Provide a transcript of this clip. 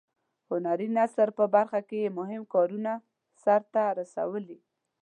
هنري نثر په برخه کې یې مهم کارونه سرته رسولي.